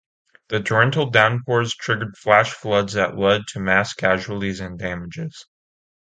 The torrential downpours triggered flash floods that led to mass casualties and damages.